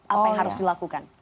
apa yang harus dilakukan